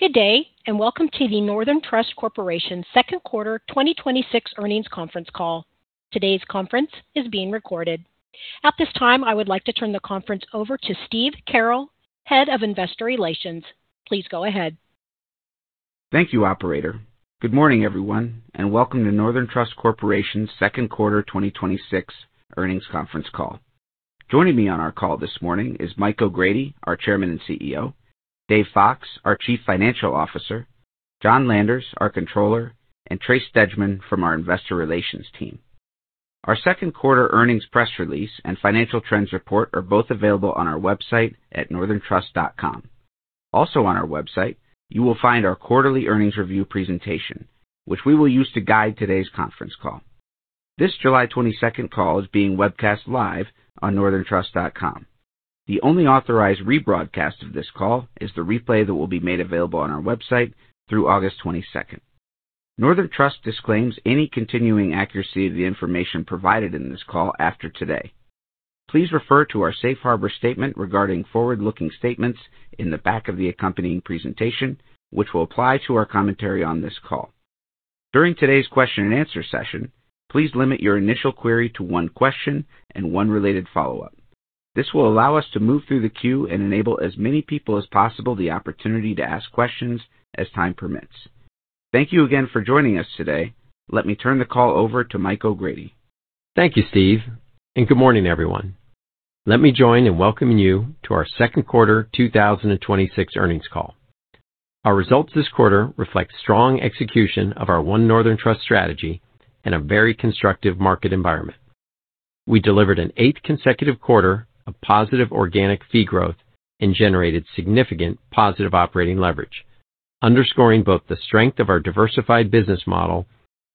Good day, and welcome to the Northern Trust Corporation second quarter 2026 earnings conference call. Today's conference is being recorded. At this time, I would like to turn the conference over to Steve Carroll, Head of Investor Relations. Please go ahead. Thank you, operator. Good morning, everyone, welcome to Northern Trust Corporation's second quarter 2026 earnings conference call. Joining me on our call this morning is Mike O'Grady, our Chairman and CEO, Dave Fox, our Chief Financial Officer, John Landers, our Controller, and Trace Stegeman from our Investor Relations team. Our second quarter earnings press release and financial trends report are both available on our website at northerntrust.com. Also on our website, you will find our quarterly earnings review presentation, which we will use to guide today's conference call. This July 22nd call is being webcast live on northerntrust.com. The only authorized rebroadcast of this call is the replay that will be made available on our website through August 22nd. Northern Trust disclaims any continuing accuracy of the information provided in this call after today. Please refer to our safe harbor statement regarding forward-looking statements in the back of the accompanying presentation, which will apply to our commentary on this call. During today's question and answer session, please limit your initial query to one question and one related follow-up. This will allow us to move through the queue and enable as many people as possible the opportunity to ask questions as time permits. Thank you again for joining us today. Let me turn the call over to Mike O'Grady. Thank you, Steve, good morning, everyone. Let me join in welcoming you to our second quarter 2026 earnings call. Our results this quarter reflect strong execution of our One Northern Trust strategy and a very constructive market environment. We delivered an eighth consecutive quarter of positive organic fee growth and generated significant positive operating leverage, underscoring both the strength of our diversified business model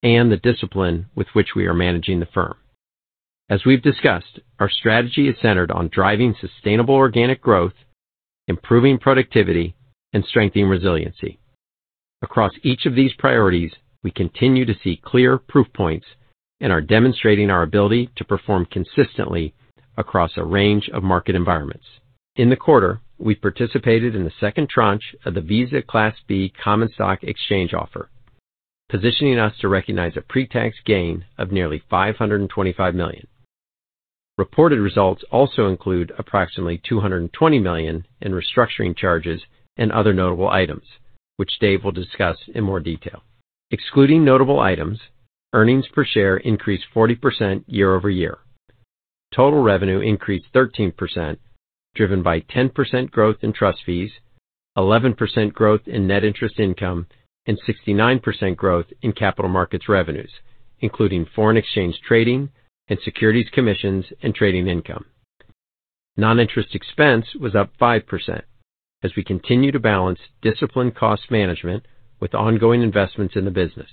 and the discipline with which we are managing the firm. As we've discussed, our strategy is centered on driving sustainable organic growth, improving productivity, and strengthening resiliency. Across each of these priorities, we continue to see clear proof points and are demonstrating our ability to perform consistently across a range of market environments. In the quarter, we participated in the second tranche of the Visa Class B common stock exchange offer, positioning us to recognize a pre-tax gain of nearly $525 million. Reported results also include approximately $220 million in restructuring charges and other notable items, which Dave will discuss in more detail. Excluding notable items, earnings per share increased 40% year-over-year. Total revenue increased 13%, driven by 10% growth in trust fees, 11% growth in net interest income, and 69% growth in capital markets revenues, including foreign exchange trading and securities commissions and trading income. Non-interest expense was up 5% as we continue to balance disciplined cost management with ongoing investments in the business.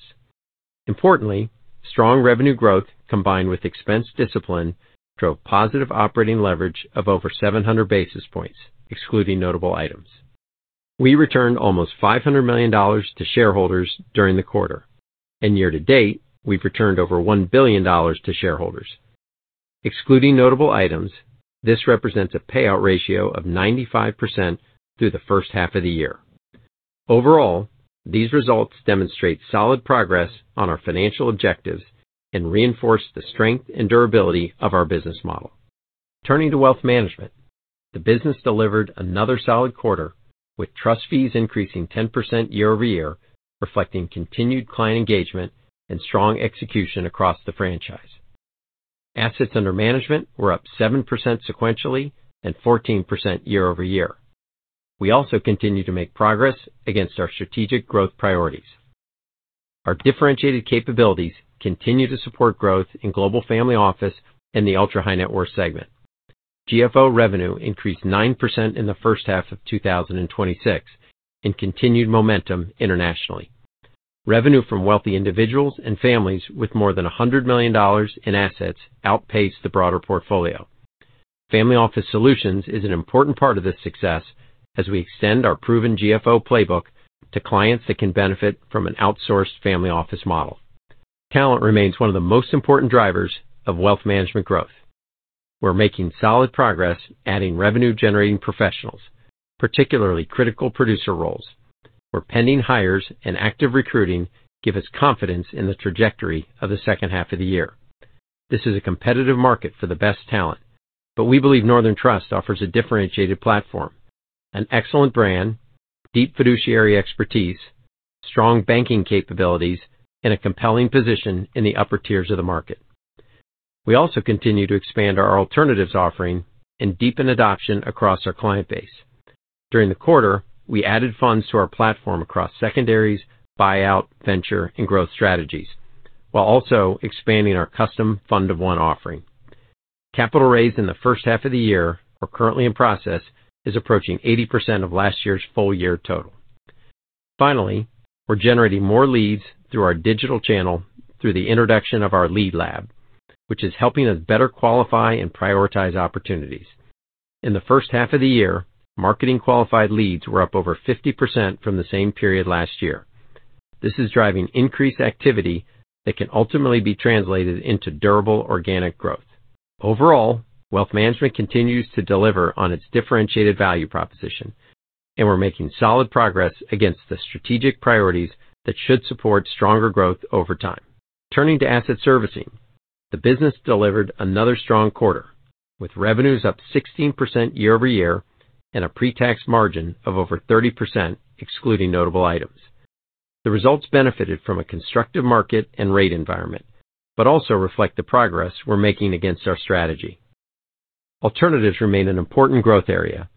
Importantly, strong revenue growth combined with expense discipline drove positive operating leverage of over 700 basis points, excluding notable items. We returned almost $500 million to shareholders during the quarter. Year-to-date, we've returned over $1 billion to shareholders. Excluding notable items, this represents a payout ratio of 95% through the first half of the year. Overall, these results demonstrate solid progress on our financial objectives and reinforce the strength and durability of our business model. Turning to Wealth Management, the business delivered another solid quarter, with trust fees increasing 10% year-over-year, reflecting continued client engagement and strong execution across the franchise. Assets under management were up 7% sequentially and 14% year-over-year. We also continue to make progress against our strategic growth priorities. Our differentiated capabilities continue to support growth in global family office and the ultra-high net worth segment. GFO revenue increased 9% in the first half of 2026, and continued momentum internationally. Revenue from wealthy individuals and families with more than $100 million in assets outpaced the broader portfolio. Family Office Solutions is an important part of this success as we extend our proven GFO playbook to clients that can benefit from an outsourced family office model. Talent remains one of the most important drivers of Wealth Management growth. We're making solid progress adding revenue-generating professionals, particularly critical producer roles, where pending hires and active recruiting give us confidence in the trajectory of the second half of the year. This is a competitive market for the best talent, but we believe Northern Trust offers a differentiated platform, an excellent brand, deep fiduciary expertise, strong banking capabilities, and a compelling position in the upper tiers of the market. We also continue to expand our alternatives offering and deepen adoption across our client base. During the quarter, we added funds to our platform across secondaries, buyout, venture, and growth strategies, while also expanding our custom fund of one offering. Capital raised in the first half of the year or currently in process is approaching 80% of last year's full year total. Finally, we're generating more leads through our digital channel through the introduction of our lead lab, which is helping us better qualify and prioritize opportunities. In the first half of the year, marketing qualified leads were up over 50% from the same period last year. This is driving increased activity that can ultimately be translated into durable organic growth. Overall, Wealth Management continues to deliver on its differentiated value proposition, and we're making solid progress against the strategic priorities that should support stronger growth over time. Turning to asset servicing, the business delivered another strong quarter, with revenues up 16% year-over-year and a pre-tax margin of over 30%, excluding notable items. The results benefited from a constructive market and rate environment, but also reflect the progress we're making against our strategy. Alternatives remain an important growth area.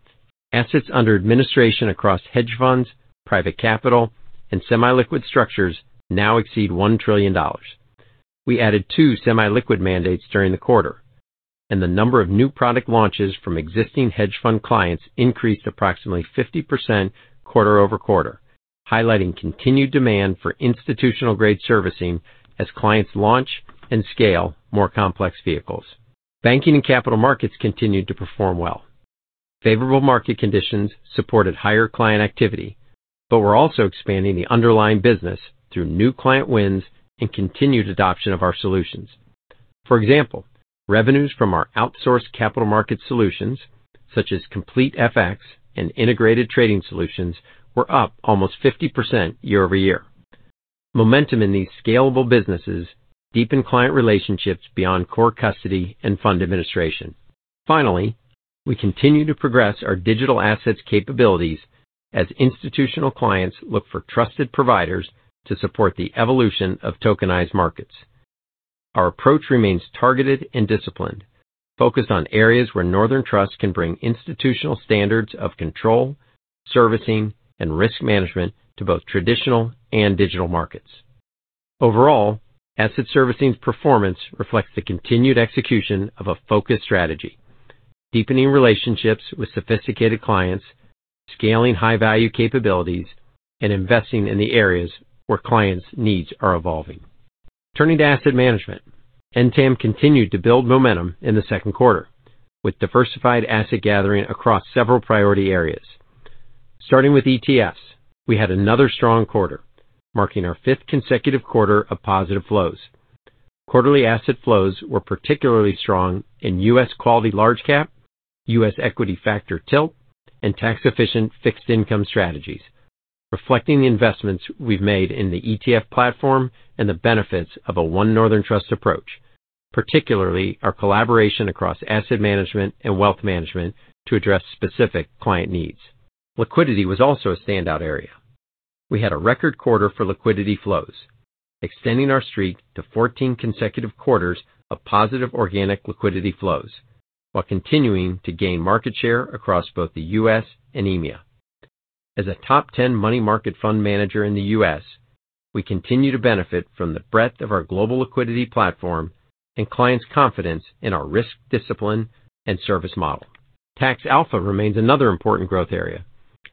Assets under administration across hedge funds, private capital, and semi-liquid structures now exceed $1 trillion. We added two semi-liquid mandates during the quarter. The number of new product launches from existing hedge fund clients increased approximately 50% quarter-over-quarter, highlighting continued demand for institutional-grade servicing as clients launch and scale more complex vehicles. Banking and capital markets continued to perform well. Favorable market conditions supported higher client activity. We're also expanding the underlying business through new client wins and continued adoption of our solutions. For example, revenues from our outsourced capital markets solutions, such as Complete FX and Integrated Trading Solutions, were up almost 50% year-over-year. Momentum in these scalable businesses deepen client relationships beyond core custody and fund administration. Finally, we continue to progress our digital assets capabilities as institutional clients look for trusted providers to support the evolution of tokenized markets. Our approach remains targeted and disciplined, focused on areas where Northern Trust can bring institutional standards of control, servicing, and risk management to both traditional and digital markets. Overall, asset servicing's performance reflects the continued execution of a focused strategy, deepening relationships with sophisticated clients, scaling high-value capabilities, and investing in the areas where clients' needs are evolving. Turning to Asset Management, NTAM continued to build momentum in the second quarter, with diversified asset gathering across several priority areas. Starting with ETFs, we had another strong quarter, marking our fifth consecutive quarter of positive flows. Quarterly asset flows were particularly strong in U.S. quality large cap, U.S. equity factor tilt, and tax-efficient fixed income strategies, reflecting the investments we've made in the ETF platform and the benefits of a One Northern Trust approach, particularly our collaboration across Asset Management and Wealth Management to address specific client needs. Liquidity was also a standout area. We had a record quarter for liquidity flows, extending our streak to 14 consecutive quarters of positive organic liquidity flows while continuing to gain market share across both the U.S. and EMEA. As a top 10 money market fund manager in the U.S., we continue to benefit from the breadth of our global liquidity platform and clients' confidence in our risk discipline and service model. Tax Alpha remains another important growth area.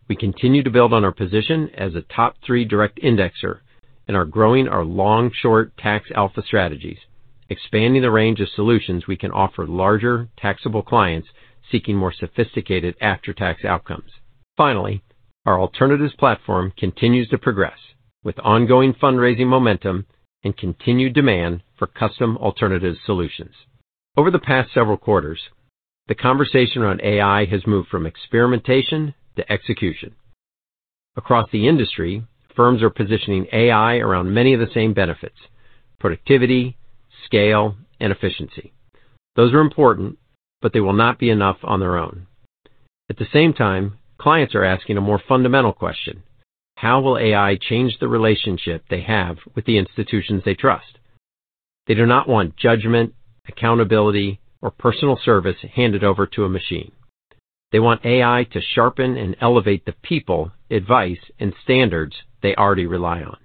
We continue to build on our position as a top three direct indexer and are growing our long/short tax alpha strategies, expanding the range of solutions we can offer larger taxable clients seeking more sophisticated after-tax outcomes. Finally, our alternatives platform continues to progress with ongoing fundraising momentum and continued demand for custom alternatives solutions. Over the past several quarters, the conversation around AI has moved from experimentation to execution. Across the industry, firms are positioning AI around many of the same benefits: productivity, scale, and efficiency. Those are important. They will not be enough on their own. At the same time, clients are asking a more fundamental question: how will AI change the relationship they have with the institutions they trust? They do not want judgment, accountability, or personal service handed over to a machine. They want AI to sharpen and elevate the people, advice, and standards they already rely on.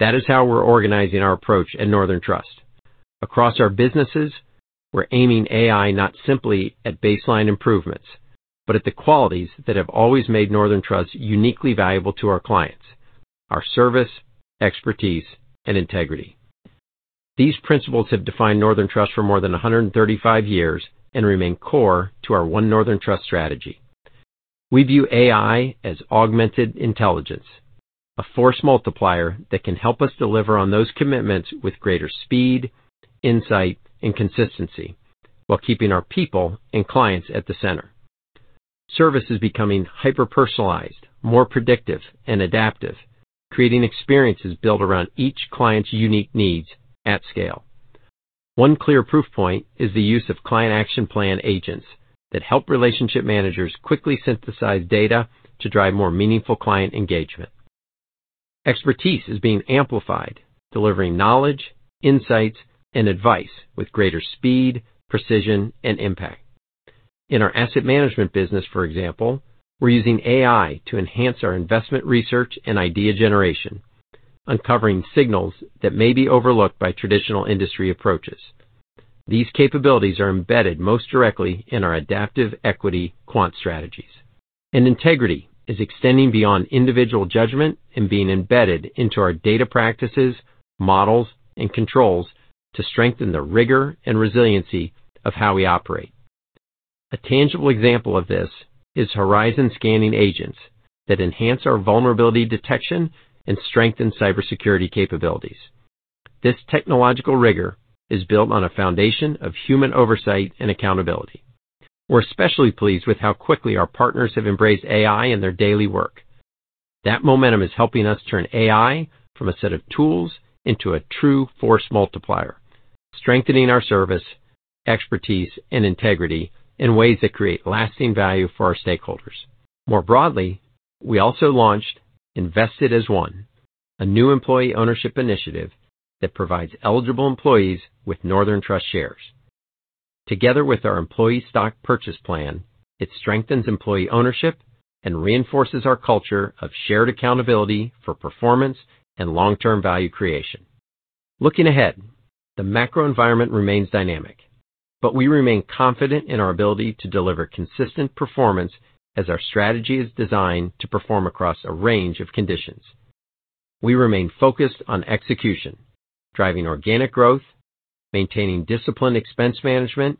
That is how we're organizing our approach at Northern Trust. Across our businesses, we're aiming AI not simply at baseline improvements, but at the qualities that have always made Northern Trust uniquely valuable to our clients, our service, expertise, and integrity. These principles have defined Northern Trust for more than 135 years and remain core to our One Northern Trust strategy. We view AI as augmented intelligence, a force multiplier that can help us deliver on those commitments with greater speed, insight, and consistency while keeping our people and clients at the center. Service is becoming hyper-personalized, more predictive, and adaptive, creating experiences built around each client's unique needs at scale. One clear proof point is the use of client action plan agents that help relationship managers quickly synthesize data to drive more meaningful client engagement. Expertise is being amplified, delivering knowledge, insights, and advice with greater speed, precision, and impact. In our Asset Management business, for example, we're using AI to enhance our investment research and idea generation, uncovering signals that may be overlooked by traditional industry approaches. These capabilities are embedded most directly in our adaptive equity quant strategies. Integrity is extending beyond individual judgment and being embedded into our data practices, models, and controls to strengthen the rigor and resiliency of how we operate. A tangible example of this is horizon scanning agents that enhance our vulnerability detection and strengthen cybersecurity capabilities. This technological rigor is built on a foundation of human oversight and accountability. We're especially pleased with how quickly our partners have embraced AI in their daily work. That momentum is helping us turn AI from a set of tools into a true force multiplier, strengthening our service, expertise, and integrity in ways that create lasting value for our stakeholders. More broadly, we also launched Invested as One, a new employee ownership initiative that provides eligible employees with Northern Trust shares. Together with our employee stock purchase plan, it strengthens employee ownership and reinforces our culture of shared accountability for performance and long-term value creation. Looking ahead, the macro environment remains dynamic, we remain confident in our ability to deliver consistent performance as our strategy is designed to perform across a range of conditions. We remain focused on execution, driving organic growth, maintaining disciplined expense management,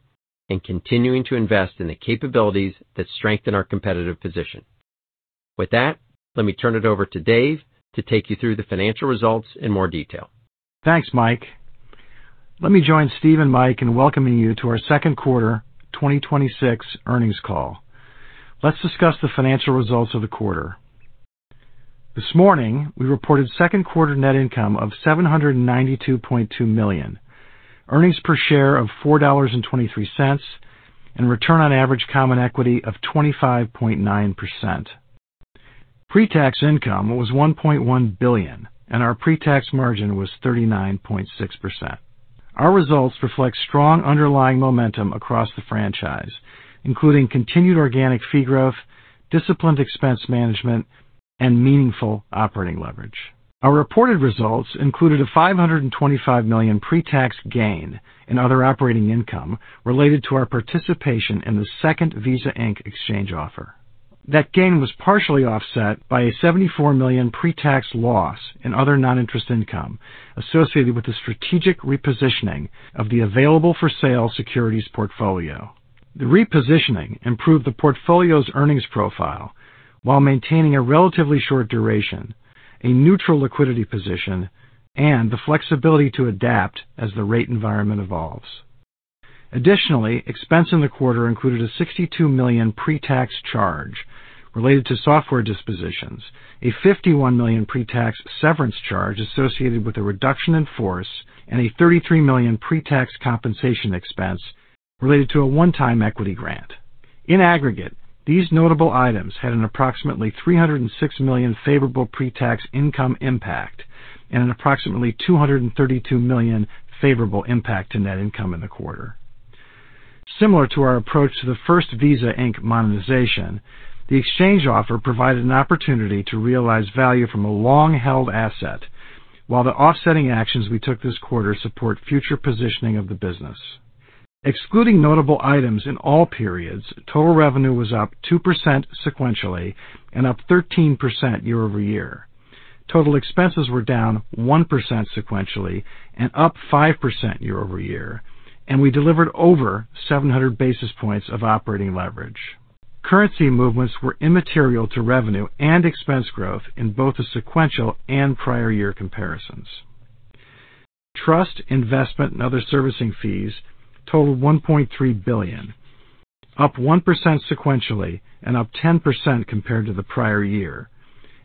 and continuing to invest in the capabilities that strengthen our competitive position. With that, let me turn it over to Dave to take you through the financial results in more detail. Thanks, Mike. Let me join Steve and Mike in welcoming you to our second quarter 2026 earnings call. Let's discuss the financial results of the quarter. This morning, we reported second quarter net income of $792.2 million, earnings per share of $4.23, and return on average common equity of 25.9%. Pre-tax income was $1.1 billion, and our pre-tax margin was 39.6%. Our results reflect strong underlying momentum across the franchise, including continued organic fee growth, disciplined expense management, and meaningful operating leverage. Our reported results included a $525 million pre-tax gain in other operating income related to our participation in the second Visa Inc. exchange offer. That gain was partially offset by a $74 million pre-tax loss in other non-interest income associated with the strategic repositioning of the available-for-sale securities portfolio. The repositioning improved the portfolio's earnings profile while maintaining a relatively short duration, a neutral liquidity position, and the flexibility to adapt as the rate environment evolves. Additionally, expense in the quarter included a $62 million pre-tax charge related to software dispositions, a $51 million pre-tax severance charge associated with a reduction in force, and a $33 million pre-tax compensation expense related to a one-time equity grant. In aggregate, these notable items had an approximately $306 million favorable pre-tax income impact and an approximately $232 million favorable impact to net income in the quarter. Similar to our approach to the first Visa Inc. monetization, the exchange offer provided an opportunity to realize value from a long-held asset, while the offsetting actions we took this quarter support future positioning of the business. Excluding notable items in all periods, total revenue was up 2% sequentially and up 13% year-over-year. Total expenses were down 1% sequentially and up 5% year-over-year, and we delivered over 700 basis points of operating leverage. Currency movements were immaterial to revenue and expense growth in both the sequential and prior year comparisons. Trust, investment, and other servicing fees totaled $1.3 billion, up 1% sequentially and up 10% compared to the prior year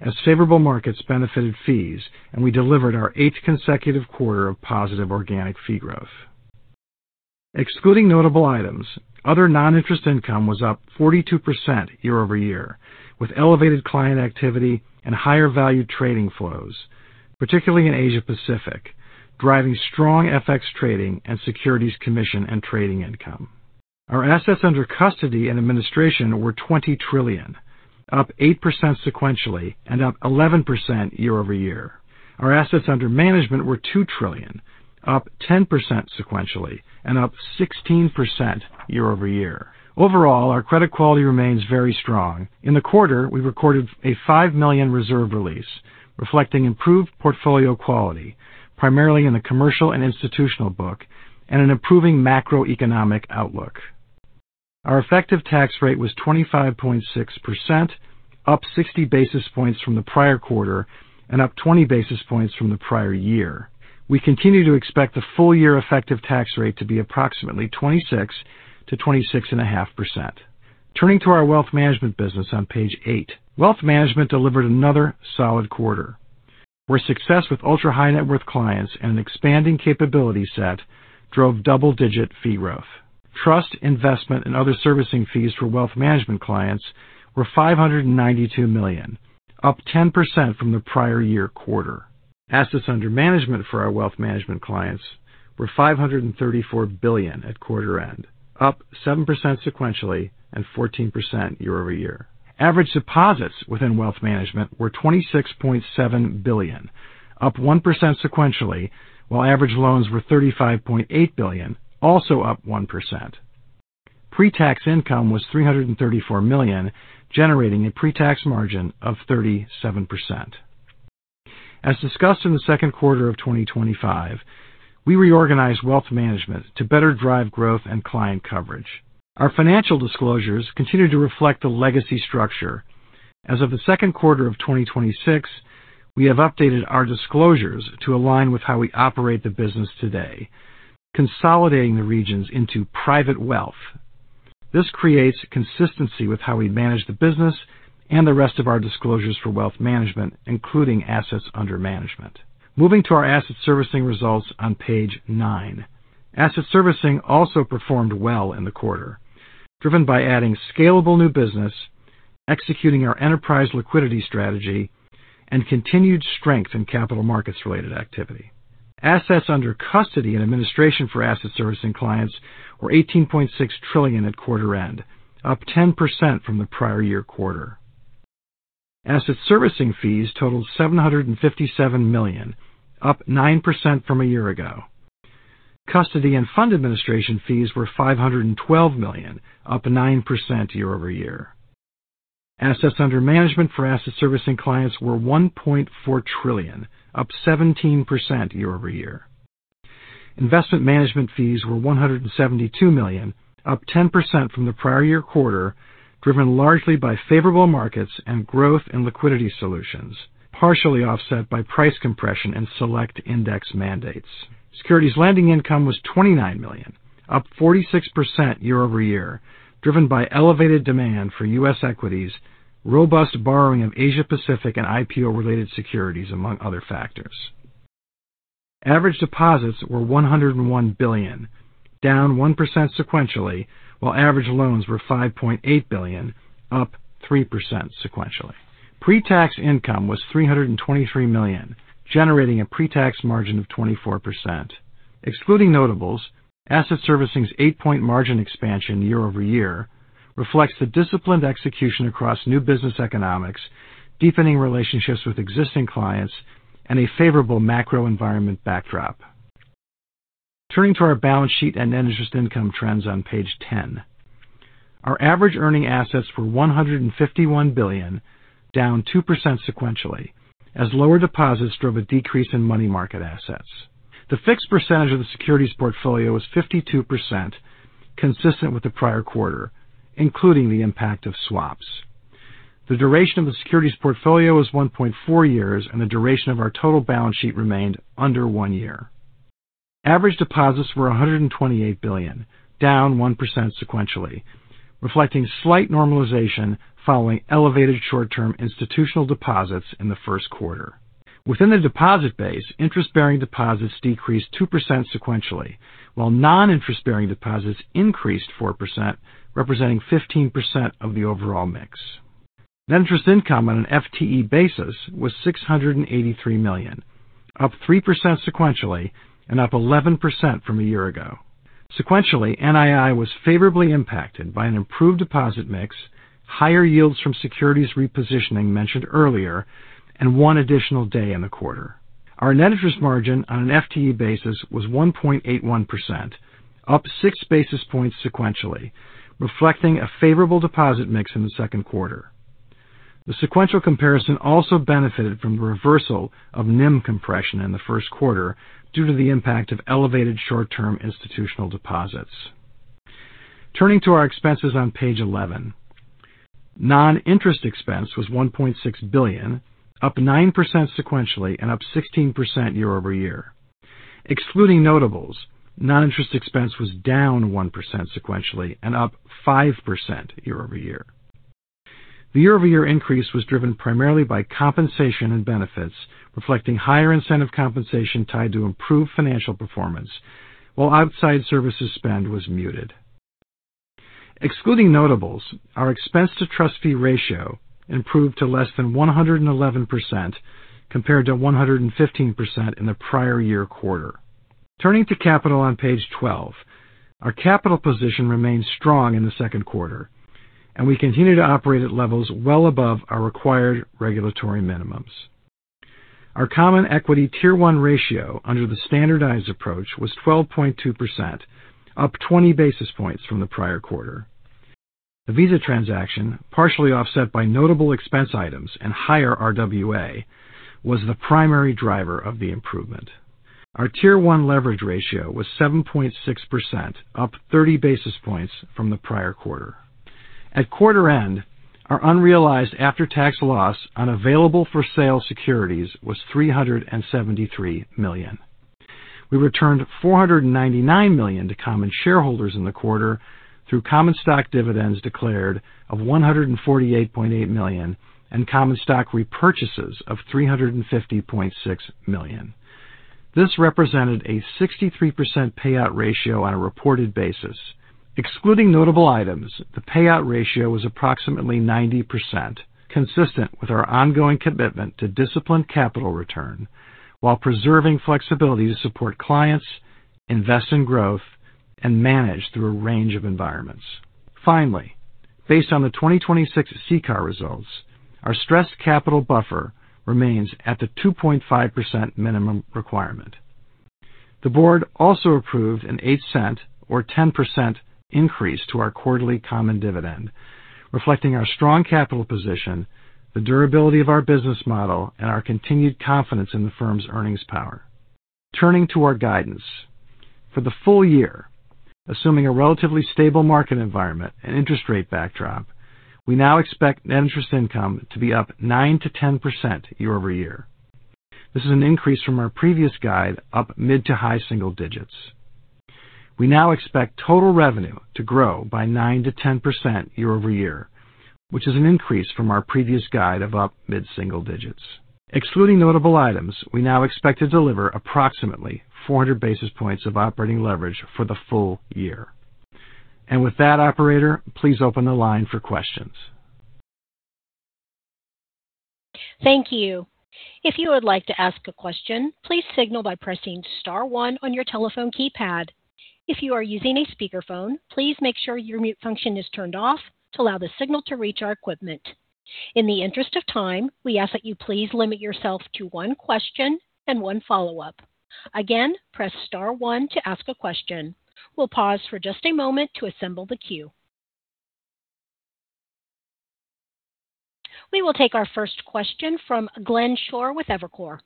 as favorable markets benefited fees, and we delivered our eighth consecutive quarter of positive organic fee growth. Excluding notable items, other non-interest income was up 42% year-over-year, with elevated client activity and higher value trading flows, particularly in Asia Pacific, driving strong FX trading and securities commission and trading income. Our assets under custody and administration were $20 trillion, up 8% sequentially and up 11% year-over-year. Our assets under management were $2 trillion, up 10% sequentially and up 16% year-over-year. Overall, our credit quality remains very strong. In the quarter, we recorded a $5 million reserve release reflecting improved portfolio quality, primarily in the commercial and institutional book, and an improving macroeconomic outlook. Our effective tax rate was 25.6%, up 60 basis points from the prior quarter and up 20 basis points from the prior year. We continue to expect the full year effective tax rate to be approximately 26%-26.5%. Turning to our Wealth Management business on page eight. Wealth Management delivered another solid quarter, where success with ultra-high net worth clients and an expanding capability set drove double-digit fee growth. Trust, investment, and other servicing fees for Wealth Management clients were $592 million, up 10% from the prior year quarter. Assets under management for our Wealth Management clients were $534 billion at quarter end, up 7% sequentially and 14% year-over-year. Average deposits within Wealth Management were $26.7 billion, up 1% sequentially, while average loans were $35.8 billion, also up 1%. Pre-tax income was $334 million, generating a pre-tax margin of 37%. As discussed in the second quarter of 2025, we reorganized Wealth Management to better drive growth and client coverage. Our financial disclosures continue to reflect the legacy structure. As of the second quarter of 2026, we have updated our disclosures to align with how we operate the business today, consolidating the regions into private wealth. This creates consistency with how we manage the business and the rest of our disclosures for Wealth Management, including assets under management. Moving to our asset servicing results on page nine. Asset servicing also performed well in the quarter, driven by adding scalable new business, executing our enterprise liquidity strategy, and continued strength in capital markets-related activity. Assets under custody and administration for asset servicing clients were $18.6 trillion at quarter end, up 10% from the prior year quarter. Asset servicing fees totaled $757 million, up 9% from a year ago. Custody and fund administration fees were $512 million, up 9% year-over-year. Assets under management for asset servicing clients were $1.4 trillion, up 17% year-over-year. Investment management fees were $172 million, up 10% from the prior year quarter, driven largely by favorable markets and growth in liquidity solutions, partially offset by price compression and select index mandates. Securities lending income was $29 million, up 46% year-over-year, driven by elevated demand for U.S. equities, robust borrowing of Asia Pacific, and IPO-related securities, among other factors. Average deposits were $101 billion, down 1% sequentially, while average loans were $5.8 billion, up 3% sequentially. Pre-tax income was $323 million, generating a pre-tax margin of 24%. Excluding notables, asset servicing's eight-point margin expansion year-over-year reflects the disciplined execution across new business economics, deepening relationships with existing clients, and a favorable macro environment backdrop. Turning to our balance sheet and net interest income trends on page 10. Our average earning assets were $151 billion, down 2% sequentially, as lower deposits drove a decrease in money market assets. The fixed percentage of the securities portfolio was 52%, consistent with the prior quarter, including the impact of swaps. The duration of the securities portfolio was 1.4 years, and the duration of our total balance sheet remained under one year. Average deposits were $128 billion, down 1% sequentially, reflecting slight normalization following elevated short-term institutional deposits in the first quarter. Within the deposit base, interest-bearing deposits decreased 2% sequentially, while non-interest-bearing deposits increased 4%, representing 15% of the overall mix. Net interest income on an FTE basis was $683 million, up 3% sequentially and up 11% from a year ago. Sequentially, NII was favorably impacted by an improved deposit mix, higher yields from securities repositioning mentioned earlier, and one additional day in the quarter. Our net interest margin on an FTE basis was 1.81%, up 6 basis points sequentially, reflecting a favorable deposit mix in the second quarter. The sequential comparison also benefited from the reversal of NIM compression in the first quarter due to the impact of elevated short-term institutional deposits. Turning to our expenses on page 11. Non-interest expense was $1.6 billion, up 9% sequentially and up 16% year-over-year. Excluding notables, non-interest expense was down 1% sequentially and up 5% year-over-year. The year-over-year increase was driven primarily by compensation and benefits, reflecting higher incentive compensation tied to improved financial performance, while outside services spend was muted. Excluding notables, our expense-to-trustee ratio improved to less than 111%, compared to 115% in the prior year quarter. Turning to capital on page 12. Our capital position remained strong in the second quarter, and we continue to operate at levels well above our required regulatory minimums. Our common equity Tier 1 ratio under the standardized approach was 12.2%, up 20 basis points from the prior quarter. The Visa transaction, partially offset by notable expense items and higher RWA, was the primary driver of the improvement. Our Tier 1 leverage ratio was 7.6%, up 30 basis points from the prior quarter. At quarter end, our unrealized after-tax loss on available-for-sale securities was $373 million. We returned $499 million to common shareholders in the quarter through common stock dividends declared of $148.8 million and common stock repurchases of $350.6 million. This represented a 63% payout ratio on a reported basis. Excluding notable items, the payout ratio was approximately 90%, consistent with our ongoing commitment to disciplined capital return while preserving flexibility to support clients, invest in growth, and manage through a range of environments. Finally, based on the 2026 CCAR results, our stressed capital buffer remains at the 2.5% minimum requirement. The board also approved an $0.08 or 10% increase to our quarterly common dividend, reflecting our strong capital position, the durability of our business model, and our continued confidence in the firm's earnings power. Turning to our guidance. For the full year, assuming a relatively stable market environment and interest rate backdrop, we now expect net interest income to be up 9%-10% year-over-year. This is an increase from our previous guide up mid to high single digits. We now expect total revenue to grow by 9%-10% year-over-year, which is an increase from our previous guide of up mid single digits. Excluding notable items, we now expect to deliver approximately 400 basis points of operating leverage for the full year. With that, operator, please open the line for questions. Thank you. If you would like to ask a question, please signal by pressing star one on your telephone keypad. If you are using a speakerphone, please make sure your mute function is turned off to allow the signal to reach our equipment. In the interest of time, we ask that you please limit yourself to one question and one follow-up. Again, press star one to ask a question. We'll pause for just a moment to assemble the queue. We will take our first question from Glenn Schorr with Evercore.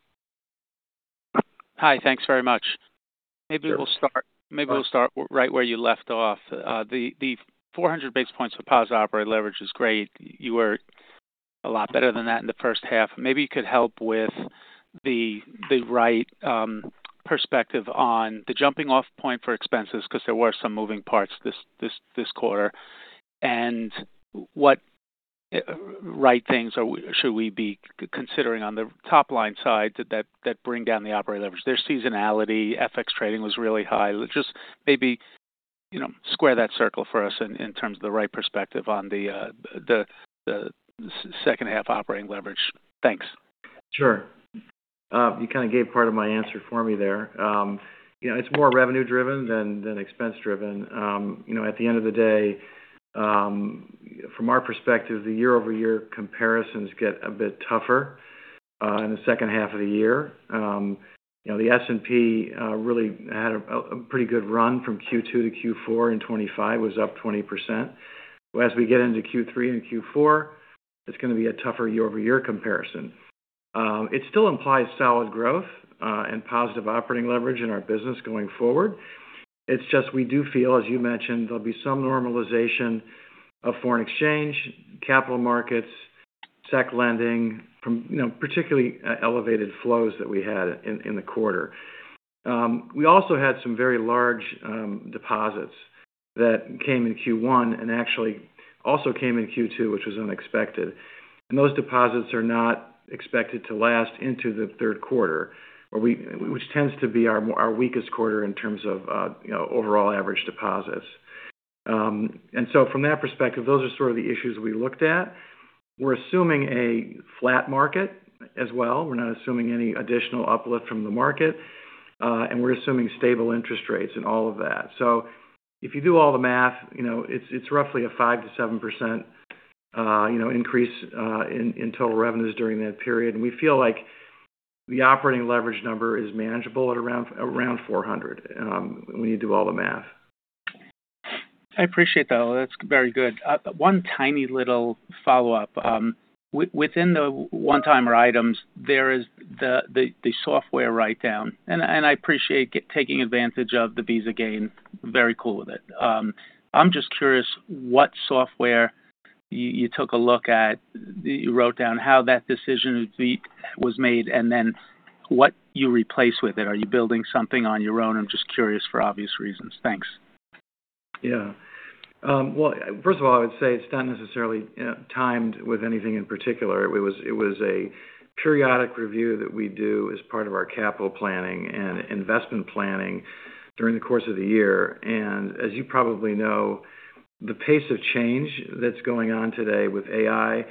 Hi. Thanks very much. Maybe we'll start right where you left off. The 400 basis points for positive operating leverage is great. You were a lot better than that in the first half. Maybe you could help with the right perspective on the jumping off point for expenses because there were some moving parts this quarter, and what right things should we be considering on the top-line side that bring down the operating leverage? There's seasonality, FX trading was really high. Just maybe square that circle for us in terms of the right perspective on the second half operating leverage. Thanks. Sure. You kind of gave part of my answer for me there. It's more revenue-driven than expense-driven. At the end of the day, from our perspective, the year-over-year comparisons get a bit tougher in the second half of the year. The S&P really had a pretty good run from Q2 to Q4 in 2025, was up 20%. As we get into Q3 and Q4, it's going to be a tougher year-over-year comparison. It still implies solid growth and positive operating leverage in our business going forward. It's just we do feel, as you mentioned, there'll be some normalization of foreign exchange, capital markets, securities lending from particularly elevated flows that we had in the quarter. We also had some very large deposits that came in Q1 and actually also came in Q2, which was unexpected. Those deposits are not expected to last into the third quarter, which tends to be our weakest quarter in terms of overall average deposits. From that perspective, those are sort of the issues we looked at. We're assuming a flat market as well. We're not assuming any additional uplift from the market, and we're assuming stable interest rates and all of that. If you do all the math, it's roughly a 5%-7% increase in total revenues during that period. We feel like the operating leverage number is manageable at around 400 when you do all the math. I appreciate that. That's very good. One tiny little follow-up. Within the one-timer items, there is the software write-down. I appreciate taking advantage of the Visa gain. Very cool with it. I'm just curious what software you took a look at, you wrote down how that decision was made, and then what you replace with it. Are you building something on your own? I'm just curious for obvious reasons. Thanks. Well, first of all, I would say it's not necessarily timed with anything in particular. It was a periodic review that we do as part of our capital planning and investment planning during the course of the year. As you probably know, the pace of change that's going on today with AI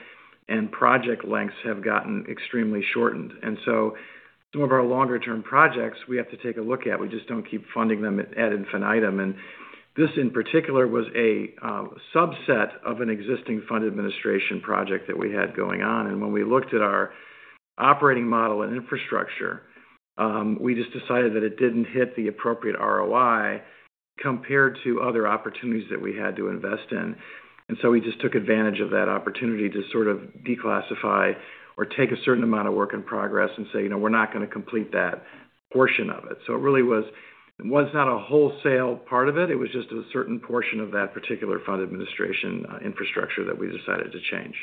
and project lengths have gotten extremely shortened. So some of our longer-term projects, we have to take a look at. We just don't keep funding them at infinitum. This in particular was a subset of an existing fund administration project that we had going on. When we looked at our operating model and infrastructure, we just decided that it didn't hit the appropriate ROI compared to other opportunities that we had to invest in. We just took advantage of that opportunity to sort of declassify or take a certain amount of work in progress and say, "We're not going to complete that portion of it." It really was not a wholesale part of it. It was just a certain portion of that particular fund administration infrastructure that we decided to change.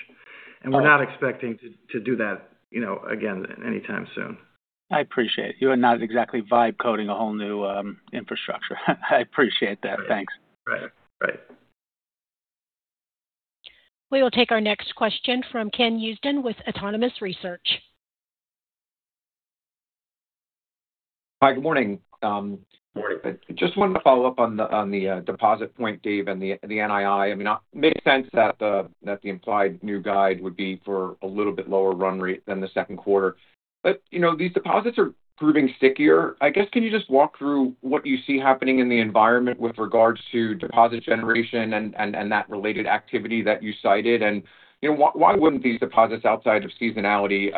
We're not expecting to do that again anytime soon. I appreciate. You are not exactly vibe coding a whole new infrastructure. I appreciate that. Thanks. Right. We will take our next question from Ken Usdin with Autonomous Research. Hi, good morning. Morning. Just wanted to follow up on the deposit point, Dave, and the NII. I mean, it makes sense that the implied new guide would be for a little bit lower run rate than the second quarter. These deposits are proving stickier. I guess, can you just walk through what you see happening in the environment with regards to deposit generation and that related activity that you cited? Why wouldn't these deposits outside of seasonality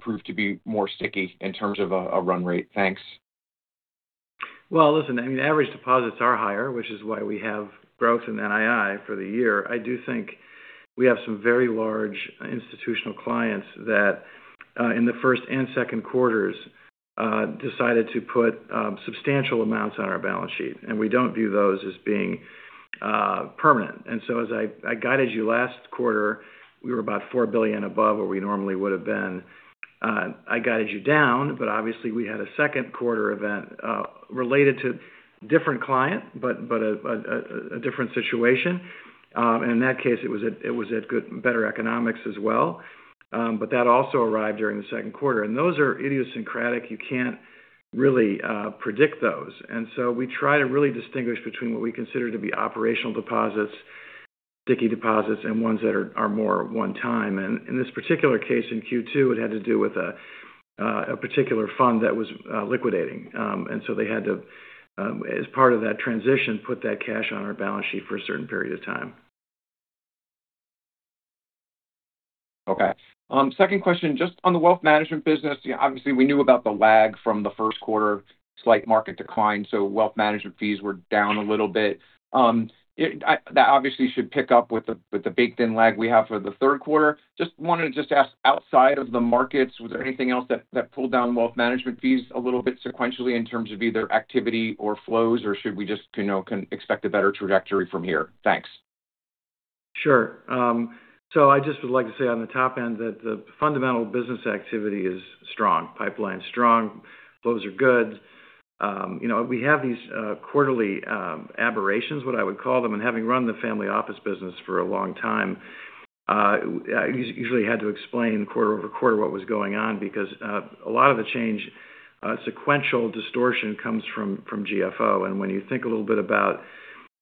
prove to be more sticky in terms of a run rate? Thanks. Well, listen, I mean, average deposits are higher, which is why we have growth in NII for the year. I do think we have some very large institutional clients that, in the first and second quarters, decided to put substantial amounts on our balance sheet. We don't view those as being permanent. As I guided you last quarter, we were about $4 billion above where we normally would have been. I guided you down, obviously we had a second quarter event, related to different client, a different situation. In that case, it was at good, better economics as well. That also arrived during the second quarter, and those are idiosyncratic. You can't really predict those. We try to really distinguish between what we consider to be operational deposits, sticky deposits, and ones that are more one-time. In this particular case, in Q2, it had to do with a particular fund that was liquidating. They had to, as part of that transition, put that cash on our balance sheet for a certain period of time. Okay. Second question, just on the Wealth Management business. Obviously, we knew about the lag from the first quarter, slight market decline, so Wealth Management fees were down a little bit. That obviously should pick up with the baked-in lag we have for the third quarter. Just wanted to just ask, outside of the markets, was there anything else that pulled down Wealth Management fees a little bit sequentially in terms of either activity or flows, or should we just expect a better trajectory from here? Thanks. Sure. I just would like to say on the top end that the fundamental business activity is strong, pipeline's strong, flows are good. We have these quarterly aberrations, what I would call them, and having run the family office business for a long time, I usually had to explain quarter over quarter what was going on because a lot of the change, sequential distortion comes from GFO. When you think a little bit about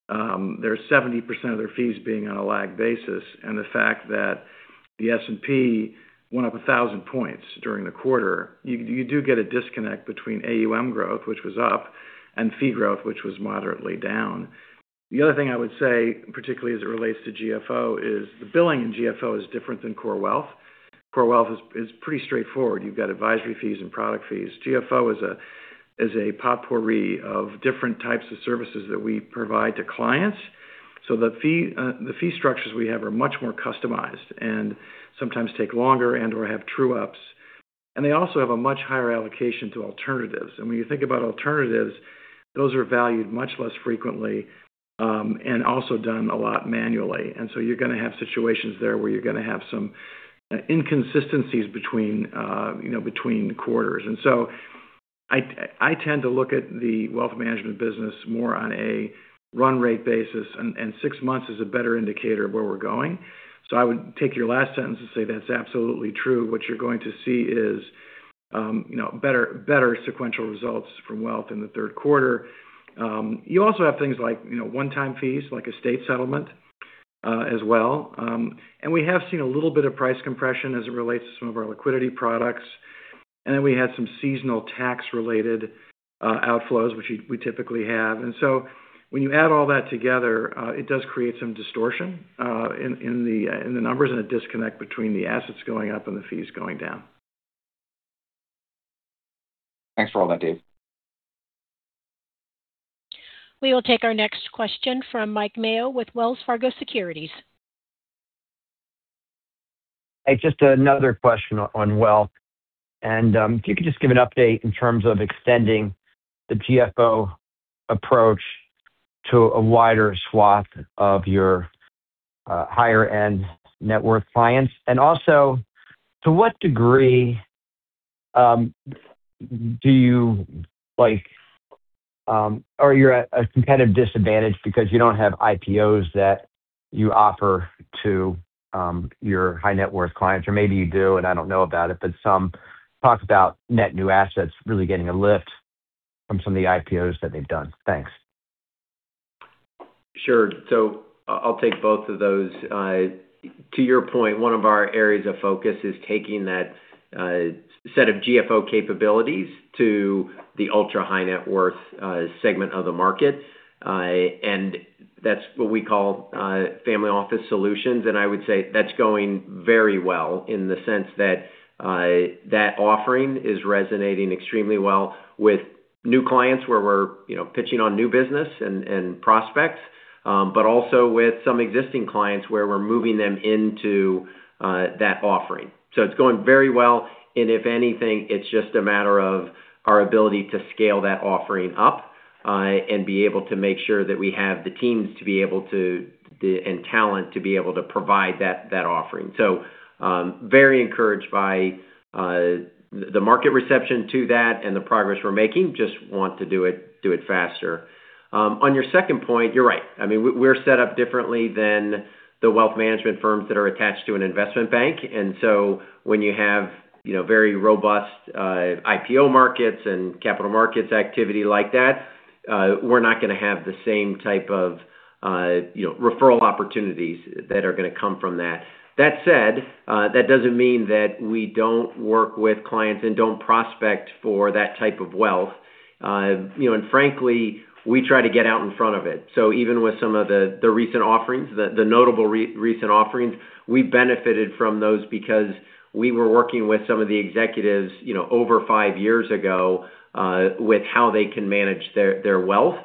their 70% of their fees being on a lag basis and the fact that the S&P went up 1,000 points during the quarter, you do get a disconnect between AUM growth, which was up, and fee growth, which was moderately down. The other thing I would say, particularly as it relates to GFO, is the billing in GFO is different than core wealth. Core wealth is pretty straightforward. You've got advisory fees and product fees. GFO is a potpourri of different types of services that we provide to clients. The fee structures we have are much more customized and sometimes take longer and/or have true ups. They also have a much higher allocation to alternatives. When you think about alternatives, those are valued much less frequently, and also done a lot manually. You're going to have situations there where you're going to have some inconsistencies between quarters. I tend to look at the Wealth Management business more on a run rate basis, and six months is a better indicator of where we're going. I would take your last sentence and say that's absolutely true. What you're going to see is better sequential results from Wealth in the third quarter. You also have things like one-time fees, like estate settlement, as well. We have seen a little bit of price compression as it relates to some of our liquidity products. We had some seasonal tax-related outflows, which we typically have. When you add all that together, it does create some distortion in the numbers and a disconnect between the assets going up and the fees going down. Thanks for all that, Dave. We will take our next question from Mike Mayo with Wells Fargo Securities. Hey, just another question on Wealth. If you could just give an update in terms of extending the GFO approach to a wider swath of your higher-end net worth clients. Also, to what degree are you at some kind of disadvantage because you don't have IPOs that you offer to your high net worth clients? Maybe you do, and I don't know about it, but some talk about net new assets really getting a lift from some of the IPOs that they've done. Thanks. Sure. I'll take both of those. To your point, one of our areas of focus is taking that set of GFO capabilities to the ultra-high net worth segment of the market. That's what we call Family Office Solutions. I would say that's going very well in the sense that that offering is resonating extremely well with new clients where we're pitching on new business and prospects. Also with some existing clients where we're moving them into that offering. It's going very well. If anything, it's just a matter of our ability to scale that offering up, and be able to make sure that we have the teams and talent to be able to provide that offering. Very encouraged by the market reception to that and the progress we're making. Just want to do it faster. On your second point, you're right. I mean, we're set up differently than the Wealth Management firms that are attached to an investment bank. When you have very robust IPO markets and capital markets activity like that, we're not going to have the same type of referral opportunities that are going to come from that. That said, that doesn't mean that we don't work with clients and don't prospect for that type of wealth. Frankly, we try to get out in front of it. Even with some of the recent offerings, the notable recent offerings, we benefited from those because we were working with some of the executives over five years ago, with how they can manage their wealth.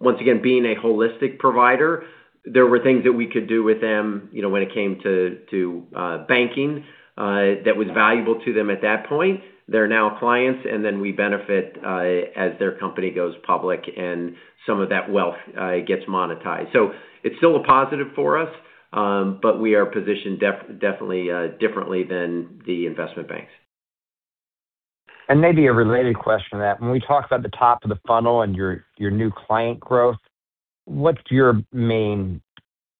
Once again, being a holistic provider, there were things that we could do with them when it came to banking that was valuable to them at that point. They're now clients, we benefit as their company goes public and some of that wealth gets monetized. It's still a positive for us, but we are positioned definitely differently than the investment banks. Maybe a related question to that. When we talk about the top of the funnel and your new client growth, what's your main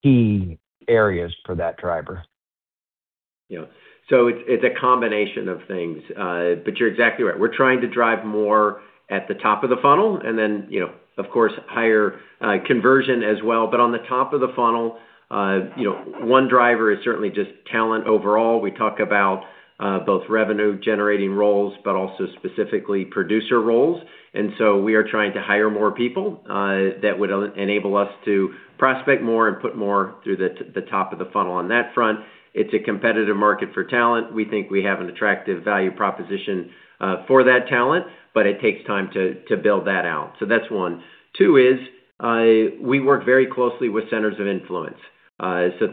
key areas for that driver? It's a combination of things. You're exactly right. We're trying to drive more at the top of the funnel, of course, higher conversion as well. On the top of the funnel, one driver is certainly just talent overall. We talk about both revenue-generating roles, but also specifically producer roles. We are trying to hire more people that would enable us to prospect more and put more through the top of the funnel on that front. It's a competitive market for talent. We think we have an attractive value proposition for that talent, but it takes time to build that out. That's one. Two is we work very closely with centers of influence.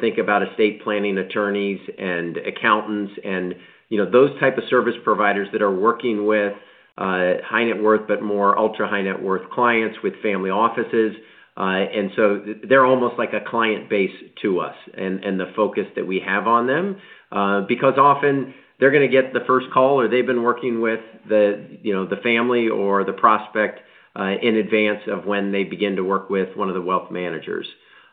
Think about estate planning attorneys and accountants and those type of service providers that are working with high net worth, but more ultra-high net worth clients with family offices. They're almost like a client base to us and the focus that we have on them. Often they're going to get the first call, or they've been working with the family or the prospect in advance of when they begin to work with one of the wealth managers.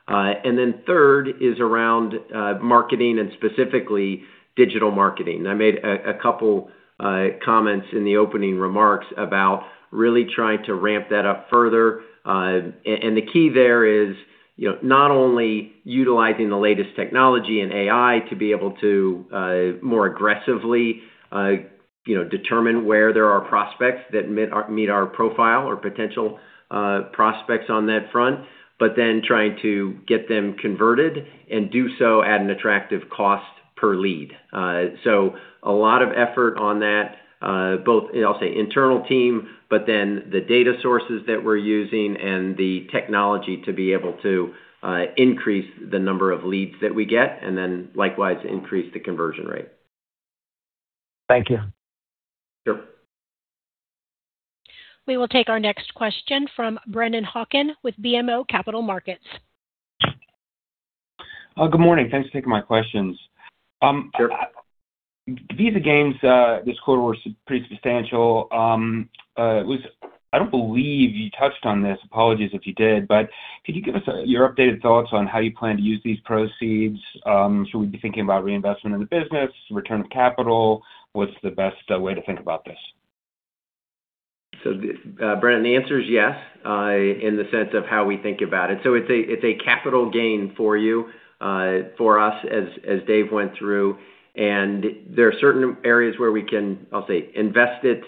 Third is around marketing and specifically digital marketing. I made a couple comments in the opening remarks about really trying to ramp that up further. The key there is not only utilizing the latest technology and AI to be able to more aggressively determine where there are prospects that meet our profile or potential prospects on that front, but then trying to get them converted and do so at an attractive cost per lead. A lot of effort on that, both, I'll say, internal team, but then the data sources that we're using and the technology to be able to increase the number of leads that we get, and then likewise, increase the conversion rate. Thank you. Sure. We will take our next question from Brennan Hawken with BMO Capital Markets. Good morning. Thanks for taking my questions. The Visa gains this quarter were pretty substantial. I don't believe you touched on this. Apologies if you did, but could you give us your updated thoughts on how you plan to use these proceeds? Should we be thinking about reinvestment in the business, return of capital? What's the best way to think about this? Brennan, the answer is yes, in the sense of how we think about it. It's a capital gain for you, for us as Dave went through. There are certain areas where we can, I'll say, invest it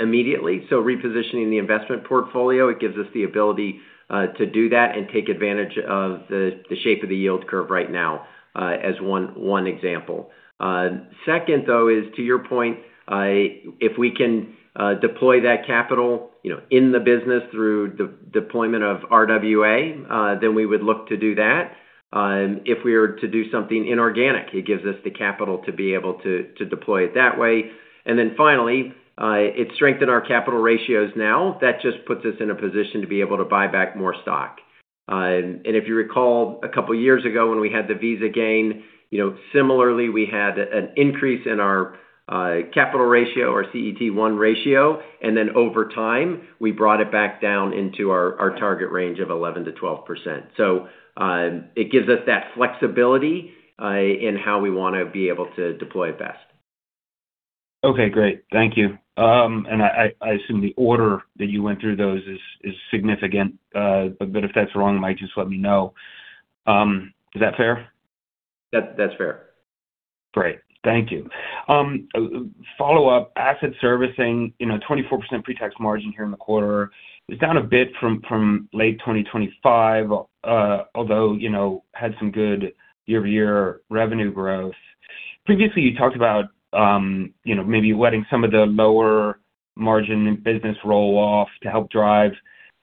immediately. Repositioning the investment portfolio, it gives us the ability to do that and take advantage of the shape of the yield curve right now as one example. Second, though, is to your point, if we can deploy that capital in the business through deployment of RWA, then we would look to do that. If we were to do something inorganic, it gives us the capital to be able to deploy it that way. Finally, it strengthened our capital ratios now. That just puts us in a position to be able to buy back more stock. If you recall, a couple of years ago when we had the Visa gain, similarly, we had an increase in our capital ratio, our CET1 ratio, then over time, we brought it back down into our target range of 11%-12%. It gives us that flexibility in how we want to be able to deploy it best. Okay, great. Thank you. I assume the order that you went through those is significant. If that's wrong, Mike, just let me know. Is that fair? That's fair. Great. Thank you. Follow up, asset servicing, 24% pre-tax margin here in the quarter. It was down a bit from late 2025, although had some good year-over-year revenue growth. Previously, you talked about maybe letting some of the lower margin business roll off to help drive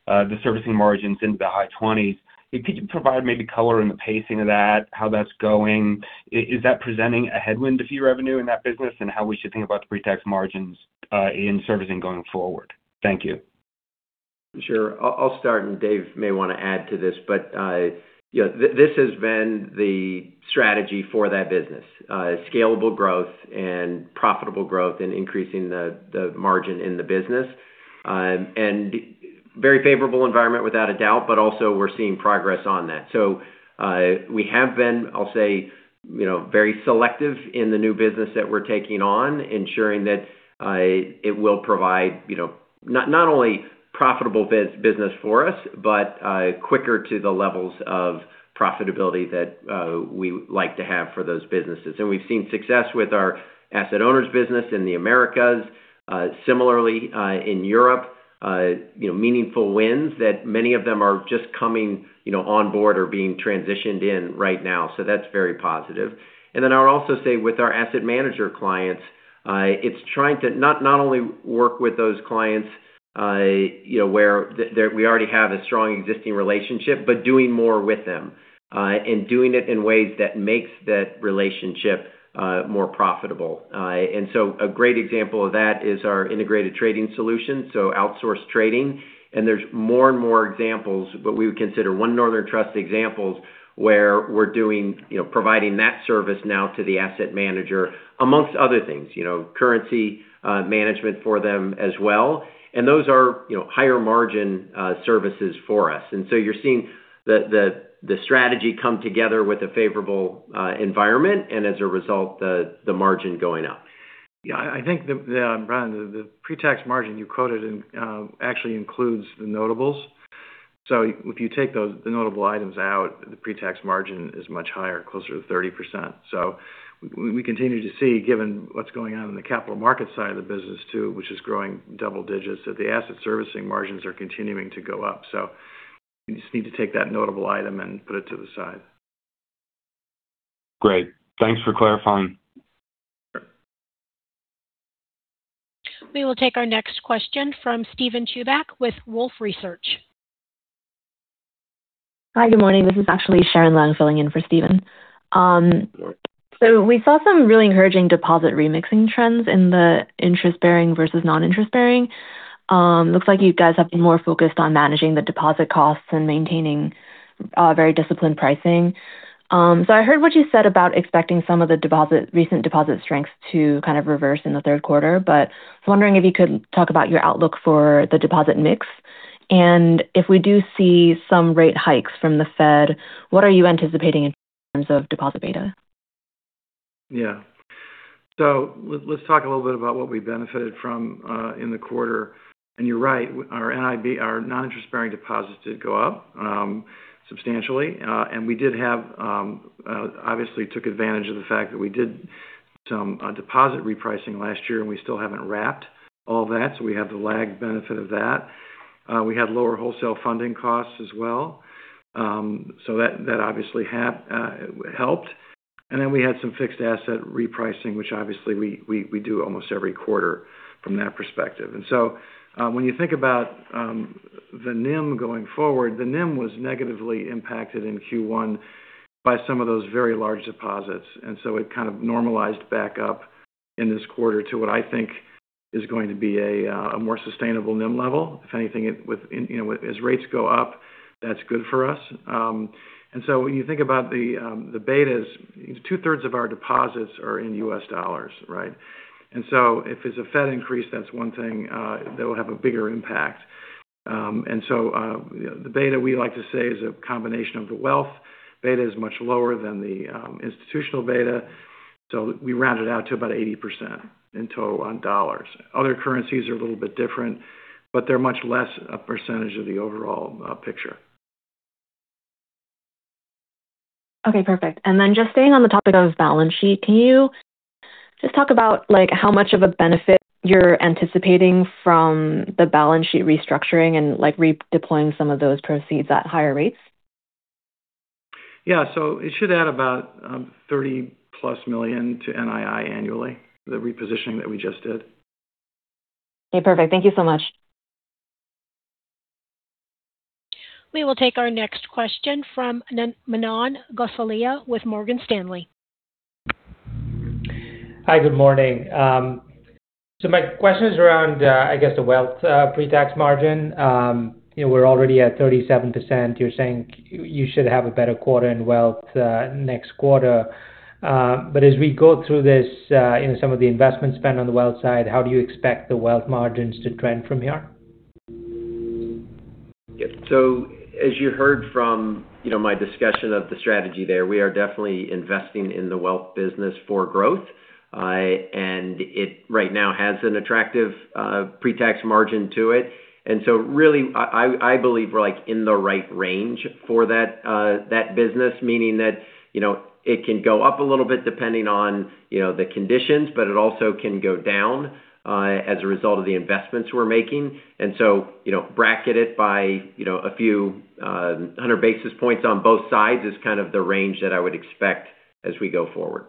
the servicing margins into the high 20s%. Could you provide maybe color in the pacing of that, how that's going? Is that presenting a headwind to fee revenue in that business and how we should think about the pre-tax margins in servicing going forward? Thank you. Sure. I'll start, and Dave may want to add to this, but this has been the strategy for that business. Scalable growth and profitable growth and increasing the margin in the business. Very favorable environment without a doubt, but also we're seeing progress on that. We have been, I'll say, very selective in the new business that we're taking on, ensuring that it will provide not only profitable business for us, but quicker to the levels of profitability that we like to have for those businesses. We've seen success with our asset owners business in the Americas. Similarly, in Europe, meaningful wins that many of them are just coming on board or being transitioned in right now. That's very positive. I would also say with our asset manager clients, it's trying to not only work with those clients where we already have a strong existing relationship, but doing more with them. Doing it in ways that makes that relationship more profitable. A great example of that is our Integrated Trading Solutions, so outsourced trading. There's more and more examples, what we would consider One Northern Trust examples, where we're providing that service now to the asset manager, amongst other things. Currency management for them as well. Those are higher margin services for us. You're seeing the strategy come together with a favorable environment, and as a result, the margin going up. I think, Brennan, the pre-tax margin you quoted actually includes the notables. If you take the notable items out, the pre-tax margin is much higher, closer to 30%. We continue to see, given what's going on in the capital market side of the business too, which is growing double digits, that the asset servicing margins are continuing to go up. You just need to take that notable item and put it to the side. Great. Thanks for clarifying. We will take our next question from Steven Chubak with Wolfe Research. Hi. Good morning. This is actually Sharon Leung filling in for Steven. We saw some really encouraging deposit remixing trends in the interest-bearing versus non-interest-bearing. Looks like you guys have been more focused on managing the deposit costs and maintaining very disciplined pricing. I heard what you said about expecting some of the recent deposit strengths to kind of reverse in the third quarter, but I was wondering if you could talk about your outlook for the deposit mix. If we do see some rate hikes from the Fed, what are you anticipating in terms of deposit beta? Let's talk a little bit about what we benefited from in the quarter. You're right, our non-interest-bearing deposits did go up substantially. We did obviously took advantage of the fact that we did some deposit repricing last year, and we still haven't wrapped all that. We have the lag benefit of that. We had lower wholesale funding costs as well. That obviously helped. Then we had some fixed asset repricing, which obviously we do almost every quarter from that perspective. When you think about the NIM going forward, the NIM was negatively impacted in Q1 by some of those very large deposits. It kind of normalized back up in this quarter to what I think is going to be a more sustainable NIM level. If anything, as rates go up, that's good for us. When you think about the betas, 2/3 of our deposits are in U.S. dollars, right? If it's a Fed increase, that's one thing that will have a bigger impact. The beta we like to say is a combination of the wealth. Beta is much lower than the institutional beta. We round it out to about 80% in total on dollars. Other currencies are a little bit different, but they're much less a percentage of the overall picture. Okay, perfect. Just staying on the topic of balance sheet, can you just talk about how much of a benefit you're anticipating from the balance sheet restructuring and redeploying some of those proceeds at higher rates? Yeah. It should add about $30+ million to NII annually, the repositioning that we just did. Okay, perfect. Thank you so much. We will take our next question from Manan Gosalia with Morgan Stanley. Hi. Good morning. My question is around, I guess the Wealth pre-tax margin. We're already at 37%. You're saying you should have a better quarter in Wealth next quarter. As we go through this, some of the investment spend on the Wealth side, how do you expect the Wealth margins to trend from here? As you heard from my discussion of the strategy there, we are definitely investing in the Wealth business for growth. It right now has an attractive pre-tax margin to it. Really, I believe we're in the right range for that business, meaning that it can go up a little bit depending on the conditions, but it also can go down as a result of the investments we're making. Bracket it by a few hundred basis points on both sides is kind of the range that I would expect as we go forward.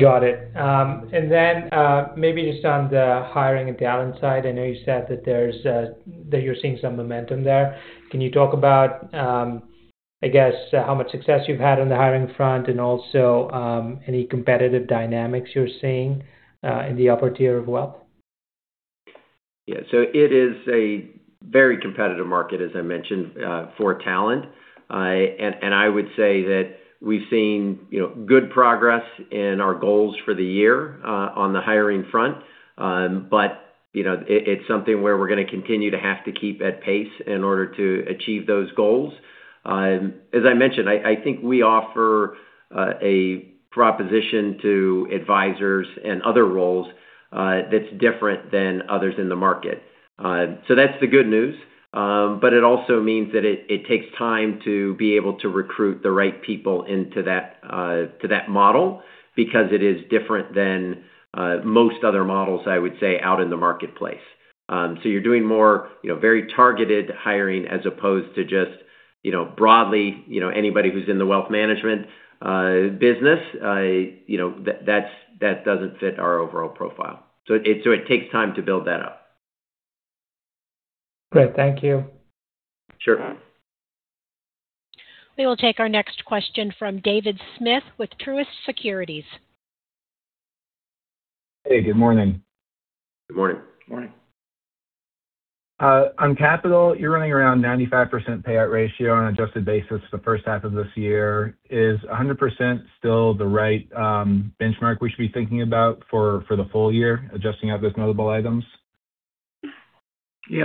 Got it. Maybe just on the hiring and talent side. I know you said that you're seeing some momentum there. Can you talk about, I guess how much success you've had on the hiring front and also any competitive dynamics you're seeing in the upper tier of wealth? Yeah. It is a very competitive market, as I mentioned, for talent. I would say that we've seen good progress in our goals for the year on the hiring front. It's something where we're going to continue to have to keep at pace in order to achieve those goals. As I mentioned, I think we offer a proposition to advisors and other roles that's different than others in the market. That's the good news. It also means that it takes time to be able to recruit the right people into that model because it is different than most other models, I would say, out in the marketplace. You're doing more very targeted hiring as opposed to just broadly anybody who's in the Wealth Management business. That doesn't fit our overall profile. It takes time to build that up. Great. Thank you. Sure. We will take our next question from David Smith with Truist Securities. Hey, good morning. Good morning. Morning. On capital, you're running around 95% payout ratio on adjusted basis the first half of this year. Is 100% still the right benchmark we should be thinking about for the full year, adjusting out those notable items? The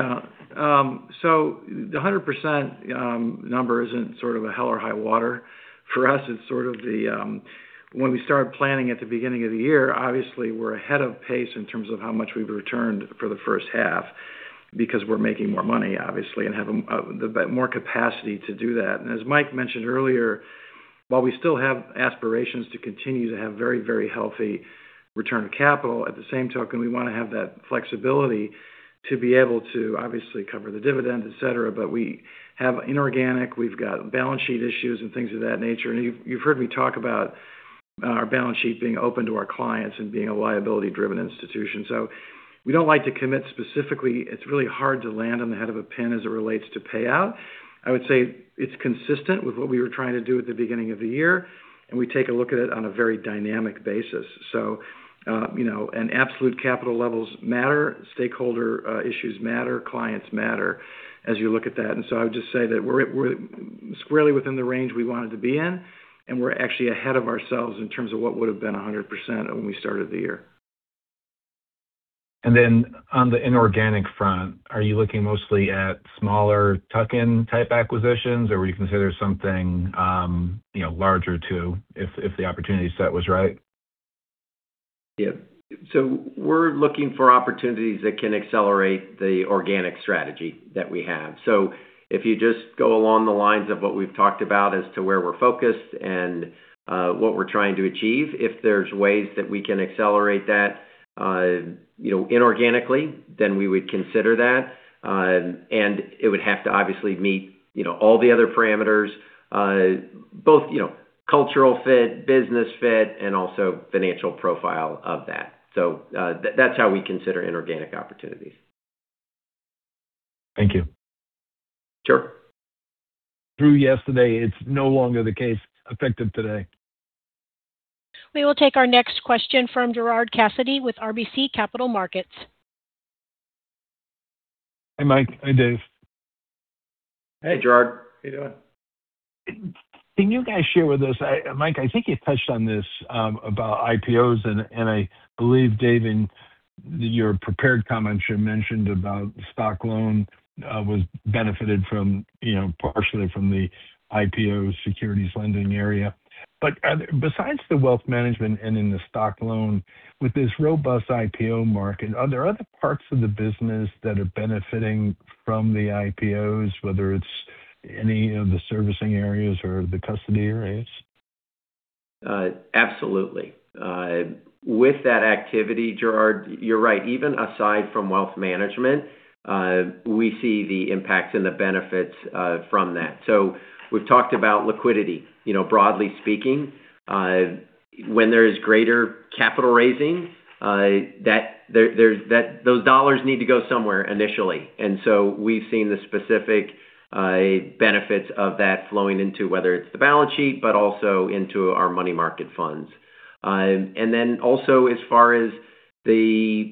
100% number isn't sort of a hell or high water for us. It's sort of the, when we start planning at the beginning of the year, obviously we're ahead of pace in terms of how much we've returned for the first half because we're making more money, obviously, and have more capacity to do that. As Mike mentioned earlier, while we still have aspirations to continue to have very healthy return on capital, at the same token, we want to have that flexibility to be able to obviously cover the dividend, et cetera. We have inorganic, we've got balance sheet issues and things of that nature. You've heard me talk about our balance sheet being open to our clients and being a liability-driven institution. We don't like to commit specifically. It's really hard to land on the head of a pin as it relates to payout. I would say it's consistent with what we were trying to do at the beginning of the year. We take a look at it on a very dynamic basis. Absolute capital levels matter, stakeholder issues matter, clients matter as you look at that. I would just say that we're squarely within the range we wanted to be in, and we're actually ahead of ourselves in terms of what would've been 100% when we started the year. On the inorganic front, are you looking mostly at smaller tuck-in type acquisitions, or would you consider something larger too, if the opportunity set was right? We're looking for opportunities that can accelerate the organic strategy that we have. If you just go along the lines of what we've talked about as to where we're focused and what we're trying to achieve, if there's ways that we can accelerate that inorganically, then we would consider that. It would have to obviously meet all the other parameters, both cultural fit, business fit, and also financial profile of that. That's how we consider inorganic opportunities. Thank you. Sure. Through yesterday, it's no longer the case effective today. We will take our next question from Gerard Cassidy with RBC Capital Markets. Hi, Mike. Hi, Dave. Hey, Gerard. How you doing? Can you guys share with us, Mike, I think you touched on this, about IPOs, and I believe, Dave, in your prepared comments, you mentioned about stock loan was benefited partially from the IPO securities lending area. Besides the Wealth Management and in the stock loan, with this robust IPO market, are there other parts of the business that are benefiting from the IPOs, whether it's any of the servicing areas or the custody areas? Absolutely. With that activity, Gerard, you're right. Even aside from Wealth Management, we see the impacts and the benefits from that. We've talked about liquidity. Broadly speaking, when there is greater capital raising, those dollars need to go somewhere initially. We've seen the specific benefits of that flowing into, whether it's the balance sheet, but also into our money market funds. Also as far as the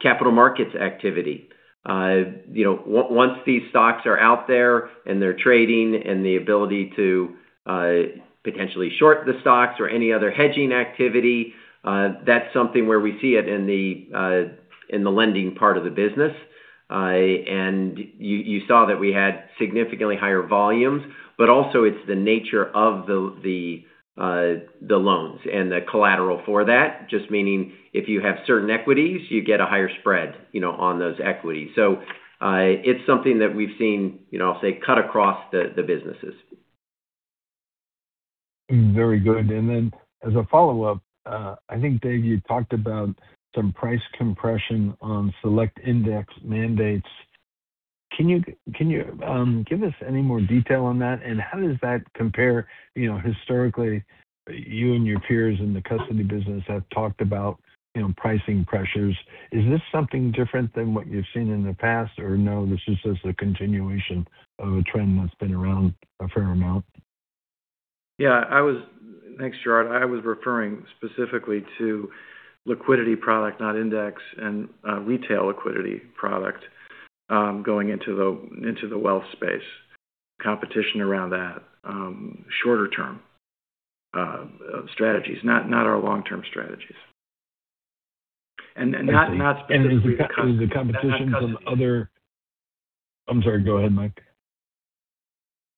capital markets activity. Once these stocks are out there and they're trading and the ability to potentially short the stocks or any other hedging activity, that's something where we see it in the lending part of the business. You saw that we had significantly higher volumes, but also it's the nature of the loans and the collateral for that. Just meaning if you have certain equities, you get a higher spread on those equities. It's something that we've seen, I'll say, cut across the businesses. Very good. Then as a follow-up, I think, Dave, you talked about some price compression on select index mandates. Can you give us any more detail on that? How does that compare, historically, you and your peers in the custody business have talked about pricing pressures. Is this something different than what you've seen in the past, or no, this is just a continuation of a trend that's been around a fair amount? Yeah. Thanks, Gerard. I was referring specifically to liquidity product, not index, and retail liquidity product, going into the wealth space, competition around that, shorter-term strategies, not our long-term strategies. I'm sorry, go ahead, Mike.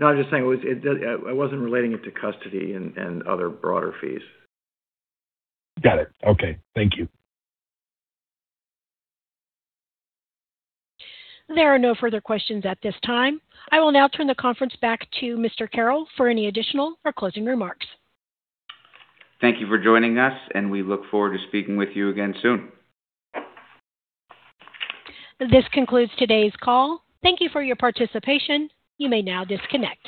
No, I'm just saying, I wasn't relating it to custody and other broader fees. Got it. Okay. Thank you. There are no further questions at this time. I will now turn the conference back to Mr. Carroll for any additional or closing remarks. Thank you for joining us, and we look forward to speaking with you again soon. This concludes today's call. Thank you for your participation. You may now disconnect.